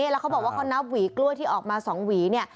แล้วเขาบอกว่าเขานับหวีกล้วยที่ออกมา๒หวีเนี่ย